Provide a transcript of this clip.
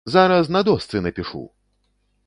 Зараз на дошцы напішу!